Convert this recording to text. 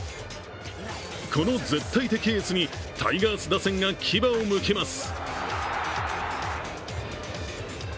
この絶対的エースにタイガース打線が牙をむきます。